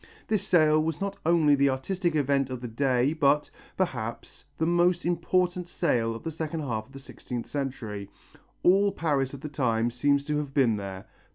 This sale was not only the artistic event of the day but, perhaps, the most important sale of the second half of the sixteenth century. All Paris of the time seems to have been there.